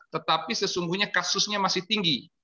tetapi sesungguhnya kasusnya masih tinggi